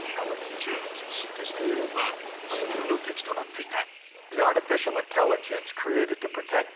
急激に進化したＡＩは人類の敵となっていた。